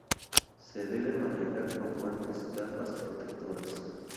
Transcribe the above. Se debe manejar con guantes, gafas protectoras.